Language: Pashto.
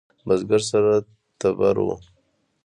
بزگر سره تبر و.